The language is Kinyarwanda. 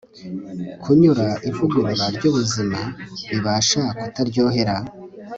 kunyura ivugurura ryubuzima bibasha kutaryohera